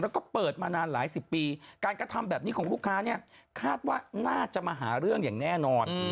แล้วก็เปิดมานานหลายสิบปีการกระทำแบบนี้ของลูกค้าเนี่ยคาดว่าน่าจะมาหาเรื่องอย่างแน่นอน